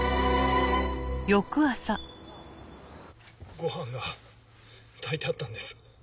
ご飯が炊いてあったんです。